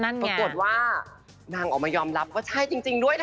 นั่นไงปรากฏว่านางออกมายอมรับก็ใช่จริงด้วยเถอะ